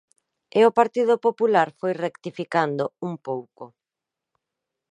E o Partido Popular foi rectificando un pouco.